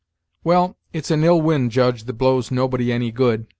"Well, it's an ill wind, Judge, that blows nobody any good.